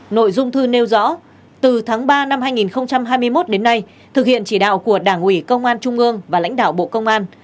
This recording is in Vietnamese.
nội dung thư nêu rõ từ tháng ba năm hai nghìn hai mươi một đến nay thực hiện chỉ đạo của đảng ủy công an trung ương và lãnh đạo bộ công an